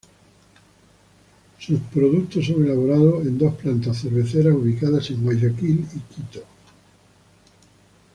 Sus productos son elaborados en dos plantas cerveceras ubicadas en Guayaquil y Quito.